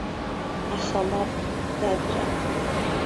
Аха мап, дадраа!